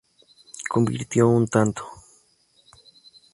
Convirtió un tanto.